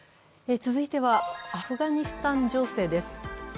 続いては、アフガニスタン情勢です。